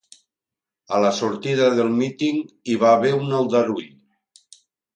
A la sortida del míting hi va haver un aldarull.